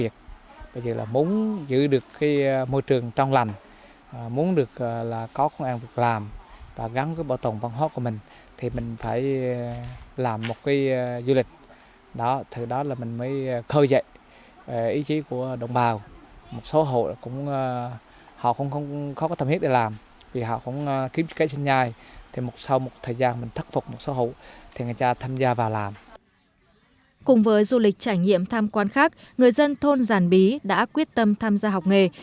cùng với du lịch trải nghiệm tham quan khác người dân thôn giàn bí đã quyết tâm tham gia học nghề